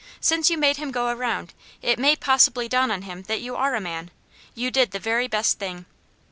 Since you made him go around, it may possibly dawn on him that you are a man. You did the very best thing."